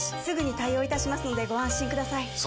すぐに対応いたしますのでご安心ください